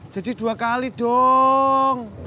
jadi dua kali dong